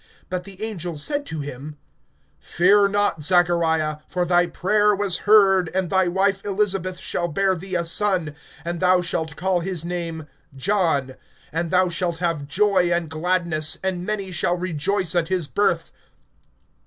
(13)But the angel said to him: Fear not, Zachariah; for thy prayer was heard, and thy wife Elisabeth shall bear thee a son, and thou shalt call his name John. (14)And thou shalt have joy and gladness; and many shall rejoice at his birth.